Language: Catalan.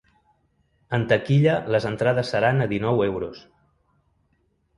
En taquilla les entrades seran a dinou euros.